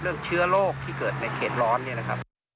เชื้อโรคที่เกิดในเขตร้อนเนี่ยนะครับ